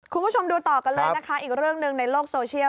คุณผู้ชมดูต่อกันเลยนะคะอีกเรื่องหนึ่งในโลกโซเชียล